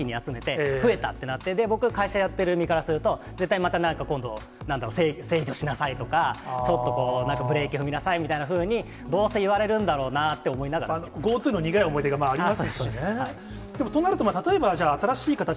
人を一気に集めて、増えたってなって、僕が会社やってる身からすると、絶対またなんか制御しなさいとか、ちょっとブレーキ踏みなさいみたいなふうに、どうせ言われるんだろうなって思いながら聞いてました。